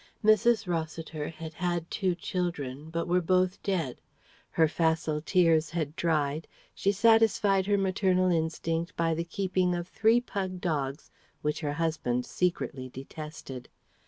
Mrs. Rossiter had had two children, but were both dead, her facile tears were dried, she satisfied her maternal instinct by the keeping of three pug dogs which her husband secretly detested.